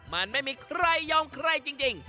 มันไม่มีใครยอมใครจริง